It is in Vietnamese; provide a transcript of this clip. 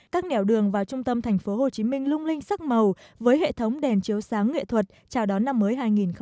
các nẻo đường vào trung tâm thành phố hồ chí minh lung linh sắc màu với hệ thống đèn chiếu sáng nghệ thuật chào đón năm mới hai nghìn một mươi bảy